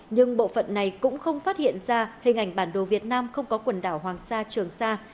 nhưng bộ phận này cũng không phát hiện ra hình ảnh bản đồ việt nam không có quần đảo hoàng sa trường sa